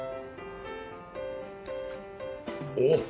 おっ！